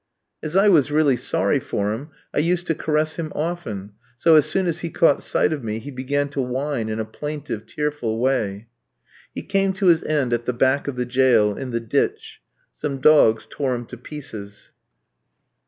As I was really sorry for him I used to caress him often, so as soon as he caught sight of me he began to whine in a plaintive, tearful way. He came to his end at the back of the jail, in the ditch; some dogs tore him to pieces.